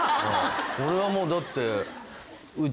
俺はもうだって。